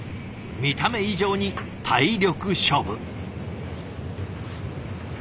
見た目以上に体力勝負。